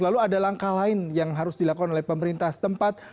lalu ada langkah lain yang harus dilakukan oleh pemerintah setempat